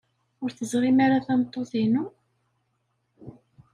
Ur teẓrim ara tameṭṭut-inu?